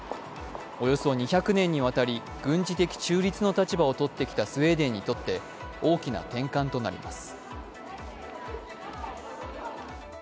およそ２００年にわたり軍事的中立の立場をとってきたスウェーデンにとって大きな転換となります。